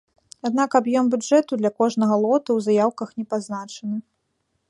Аднак аб'ём бюджэту для кожнага лоту ў заяўках не пазначаны.